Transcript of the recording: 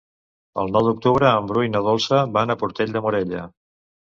El nou d'octubre en Bru i na Dolça van a Portell de Morella.